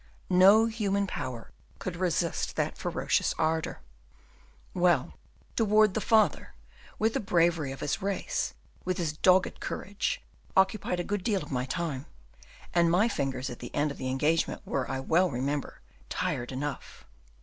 No human power could resist that ferocious ardor. Well, De Wardes the father, with the bravery of his race, with his dogged courage, occupied a good deal of my time; and my fingers, at the end of the engagement, were, I well remember, tired enough."